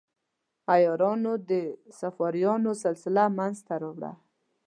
عیارانو د صفاریانو سلسله منځته راوړه.